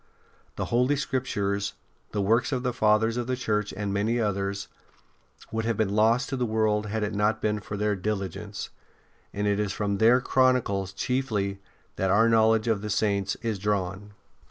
The Holy Scriptures, the works of the Fathers of the Church and many others, would have been lost to the world had it not been for their diligence; and it is from their chronicles chiefly that our knowledge of the Saints is drawn.